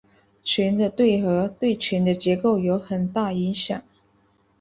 群的对合对群的结构有很大影响。